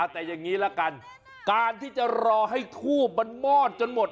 อ่ะแต่อย่างนี้แล้วกันการที่จะรอให้ทุ่มมอดจนหมด